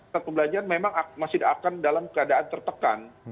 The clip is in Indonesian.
tetap pembelajaran memang masih akan dalam keadaan tertekan